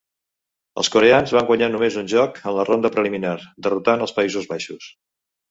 Els coreans van guanyar només un joc en la ronda preliminar, derrotant als Països Baixos.